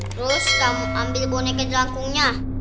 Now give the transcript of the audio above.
terus ambil boneka jelangkungnya